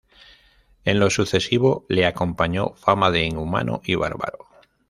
En lo sucesivo le acompañó fama de inhumano y bárbaro.